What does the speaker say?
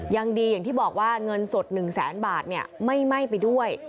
ยังดีอย่างที่บอกว่าเงินสด๑แสนบาทไม่ไหม้ไปด้วย